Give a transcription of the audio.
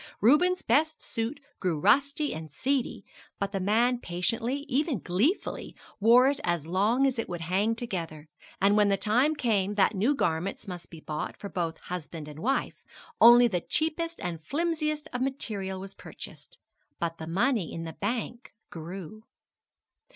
Reuben's best suit grew rusty and seedy, but the man patiently, even gleefully, wore it as long as it would hang together; and when the time came that new garments must be bought for both husband and wife, only the cheapest and flimsiest of material was purchased but the money in the bank grew.